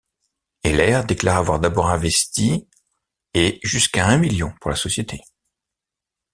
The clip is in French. Heller déclare avoir d'abord investi et jusqu'à un million pour la société.